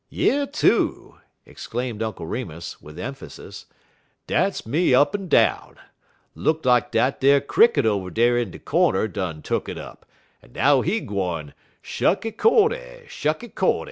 "Yer too!" exclaimed Uncle Remus, with emphasis. "Dat's me up en down. Look lak dat ar cricket over dar in de cornder done tuck it up, en now he gwine, '_Shucky cordy! Shucky cordy!